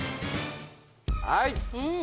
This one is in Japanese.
はい。